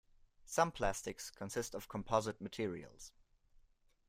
Some plastics consist of composite materials.